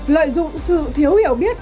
lợi dụng sự thiếu hiểu biết